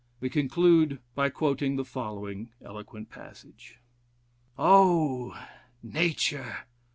We conclude by quoting the following eloquent passage: "Oh! Nature!